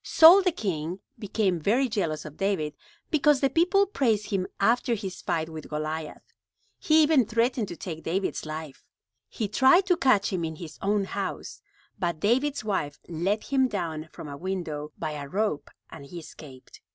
Saul the king became very jealous of David because the people praised him after his fight with Goliath. He even threatened to take David's life. He tried to catch him in his own house, but David's wife let him down from a window by a rope and he escaped.